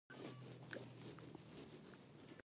د علامه رشاد لیکنی هنر مهم دی ځکه چې صراحت لري.